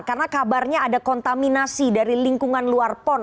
karena kabarnya ada kontaminasi dari lingkungan luar pond